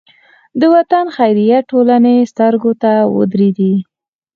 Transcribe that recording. د وطن خیریه ټولنې سترګو ته ودرېدې.